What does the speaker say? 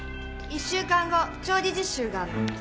１週間後調理実習があんの。